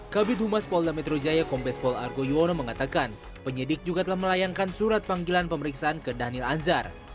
kabit humas polda metro jaya kombes pol argo yuwono mengatakan penyidik juga telah melayangkan surat panggilan pemeriksaan ke daniel anzar